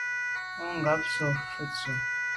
Mà ngab tsho’ mfe tù.